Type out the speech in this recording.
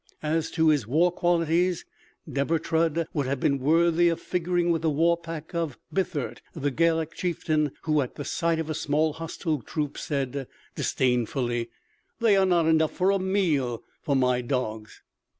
As to his war qualities, Deber Trud would have been worthy of figuring with the war pack of Bithert, the Gallic chieftain who at sight of a small hostile troop said disdainfully: "They are not enough for a meal for my dogs."